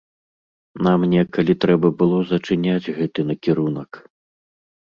Нам некалі трэба было зачыняць гэты накірунак.